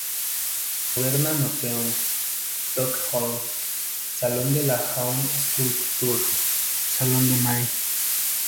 Moderna Museum, Stockholm; Salon de la Jeune Sculpture; Salon de Mai.